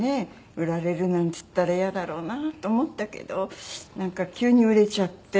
売られるなんつったらイヤだろうなと思ったけどなんか急に売れちゃって。